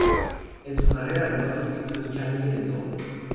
En su carrera ganó dos títulos Challenger en dobles.